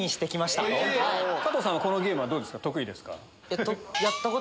加藤さんはこのゲームは得意ですか？